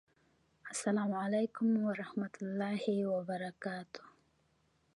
السلام علیکم ورحمة الله وبرکاته!